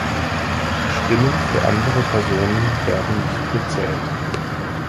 Stimmen für andere Personen werden nicht gezählt.